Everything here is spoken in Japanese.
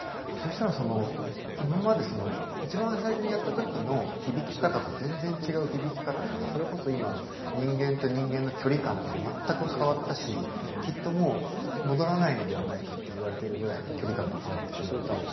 そしたらその今まで一番最初にやった時の響き方と全然違う響き方でそれこそ今人間と人間の距離間って全く変わったしきっともう戻らないのではないかっていわれているぐらい距離感が変わってしまった。